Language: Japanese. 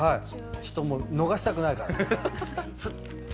ちょっともう逃したくないから。